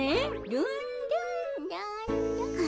ルンルンルンルン。